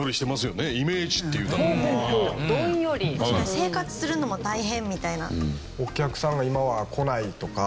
生活するのも大変みたいな。